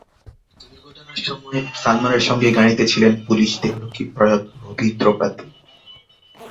দুর্ঘটনার সময় সালমানের সঙ্গেই গাড়িতে ছিলেন পুলিশ দেহরক্ষী প্রয়াত রবীন্দ্র পাতিল।